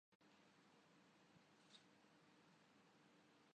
پسینے کے قطرے میرے جسم